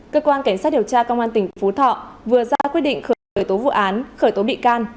cơ quan cảnh sát điều tra công an tỉnh phú thọ vừa ra quyết định khởi tố vụ án khởi tố bị can